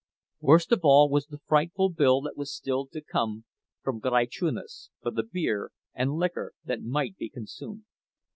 Worst of all was the frightful bill that was still to come from Graiczunas for the beer and liquor that might be consumed.